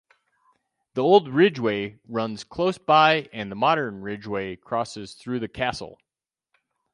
The Old Ridgeway runs close by and the modern Ridgeway crosses through the castle.